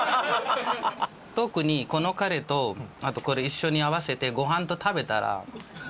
特にこのカレーとこれ一緒に合わせてご飯と食べたら。